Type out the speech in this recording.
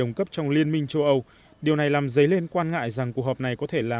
đồng cấp trong liên minh châu âu điều này làm dấy lên quan ngại rằng cuộc họp này có thể là